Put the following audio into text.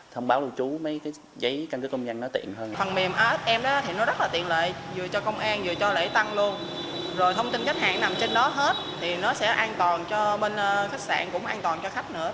thông tin khách hàng nằm trên nó hết thì nó sẽ an toàn cho bên khách sạn cũng an toàn cho khách nữa